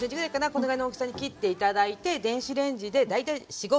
このぐらいの大きさに切って頂いて電子レンジで大体４５分かけた感じですね。